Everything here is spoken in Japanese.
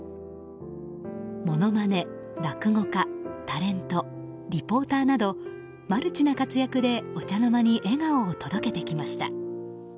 ものまね、落語家、タレントリポーターなどマルチな活躍でお茶の間に笑顔を届けてきました。